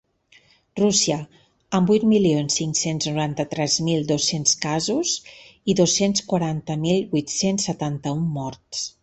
Rússia, amb vuit milions cinc-cents noranta-tres mil dos-cents casos i dos-cents quaranta mil vuit-cents setanta-un morts.